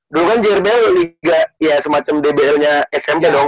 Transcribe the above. dulu kan jrbl lika ya semacam dblnya smp dong